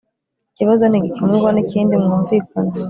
Ikibazo ntigikemurwa nikindi mwumvikane